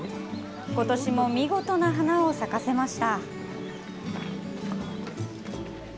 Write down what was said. ことしも見事な花を咲かせました。